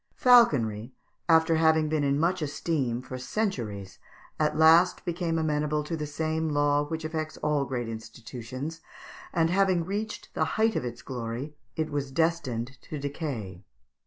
Falconry, after having been in much esteem for centuries, at last became amenable to the same law which affects all great institutions, and, having reached the height of its glory, it was destined to decay.